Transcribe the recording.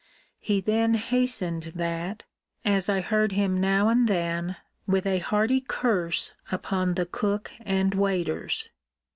He then hastened that, as I heard him now and then, with a hearty curse upon the cook and waiters.